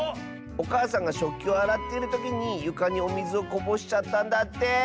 おかあさんがしょっきをあらってるときにゆかにおみずをこぼしちゃったんだって。